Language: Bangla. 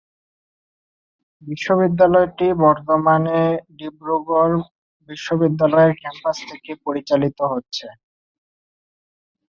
বিশ্ববিদ্যালয়টি বর্তমানে ডিব্রুগড় বিশ্ববিদ্যালয়ের ক্যাম্পাস থেকে পরিচালিত হচ্ছে।